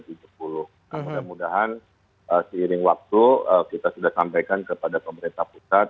nah mudah mudahan seiring waktu kita sudah sampaikan kepada pemerintah pusat